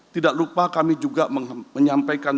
tidak lupa kami juga menyampaikan